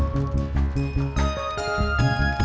tasik tasik tasik